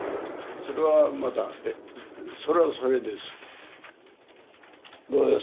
それはまだ、それはそれです。